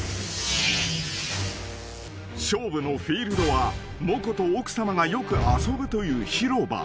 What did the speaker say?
［勝負のフィールドはもこと奥さまがよく遊ぶという広場］